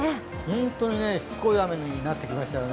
本当にしつこい雨になってきましたよね。